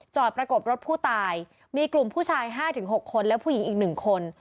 ประกบรถผู้ตายมีกลุ่มผู้ชาย๕๖คนและผู้หญิงอีก๑คน